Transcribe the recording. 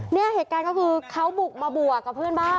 เนี่ยเหตุการณ์ก็คือเขาบุกมาบวกกับเพื่อนบ้าน